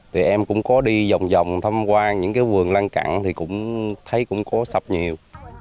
thì em cũng có đi vòng vòng thăm quan những cái vườn lăn cặn thì cũng thấy cũng có sập nhiều